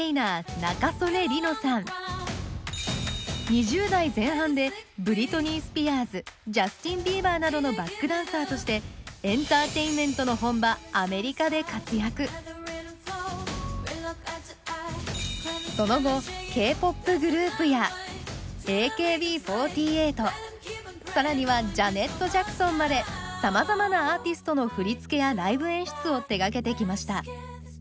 ２０代前半でブリトニー・スピアーズジャスティン・ビーバーなどのバックダンサーとしてその後Ｋ−ＰＯＰグループやＡＫＢ４８更にはジャネット・ジャクソンまでさまざまなアーティストの振付やライブ演出を手がけてきました。